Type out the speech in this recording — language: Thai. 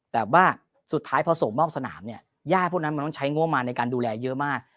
แต่ว่าสุดท้ายพอส่งมอบสนามเนี่ยญาติพวกนั้นมันต้องใช้งบมารในการดูแลเยอะมาก